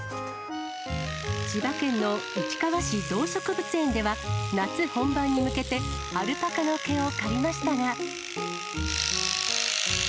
千葉県の市川市動植物園では、夏本番に向けて、アルパカの毛を刈りましたが。